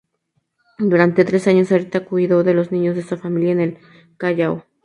Durante tres años Sarita cuidó de los niños de esta familia en el Callao.